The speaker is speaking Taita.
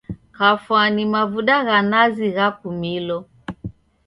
Kafwani mavuda gha nazi ghakumilo.